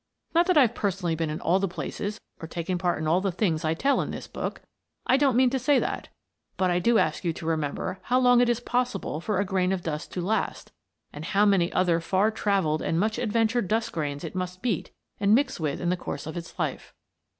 Not that I've personally been in all the places or taken part in all the things I tell in this book I don't mean to say that but I do ask you to remember how long it is possible for a grain of dust to last, and how many other far travelled and much adventured dust grains it must meet and mix with in the course of its life.